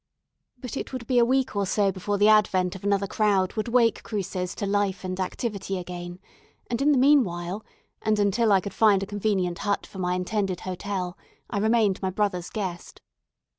But it would be a week or so before the advent of another crowd would wake Cruces to life and activity again; and in the meanwhile, and until I could find a convenient hut for my intended hotel, I remained my brother's guest.